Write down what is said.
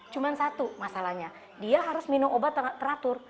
cuma satu masalahnya dia harus minum obat teratur